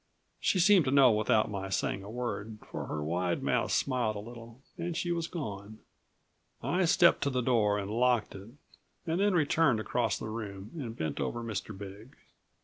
She seemed to know without my saying a word, for her wide mouth smiled a little and she was gone. I stepped to the door and locked it, and then returned across the room and bent over Mr. Big.